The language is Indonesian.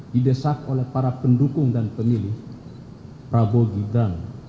didesak oleh para pendukung dan pemilih prabowo gibran